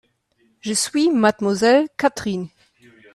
Je suis Mlle Catherine.